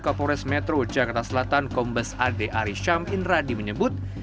kapolres metro jakarta selatan kombes ade arisham inradi menyebut